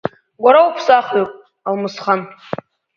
Уара уԥсахҩуп, Алмысхан.